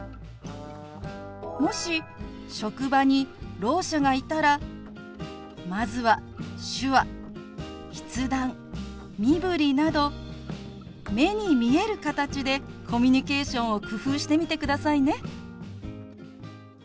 もし職場にろう者がいたらまずは手話筆談身振りなど目に見える形でコミュニケーションを工夫してみてくださいね。